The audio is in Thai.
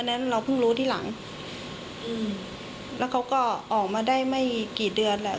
นั้นเราเพิ่งรู้ที่หลังอืมแล้วเขาก็ออกมาได้ไม่กี่เดือนแหละ